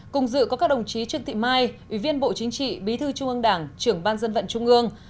cùng dự có các đồng chí trương thị mai ủy viên bộ chính trị bí thư trung ương đảng trưởng ban dân vận trung ương